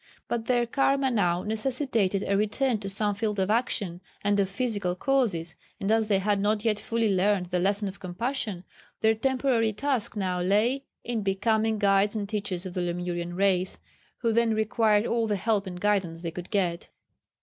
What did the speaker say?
But their karma now necessitated a return to some field of action and of physical causes, and as they had not yet fully learnt the lesson of compassion, their temporary task now lay in becoming guides and teachers of the Lemurian race, who then required all the help and guidance they could get.